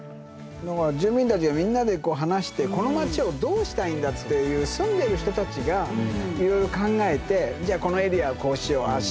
だから住民たちがみんなで話してこの町をどうしたいんだっていう住んでる人たちがいろいろ考えてじゃあこのエリアはこうしようああしよう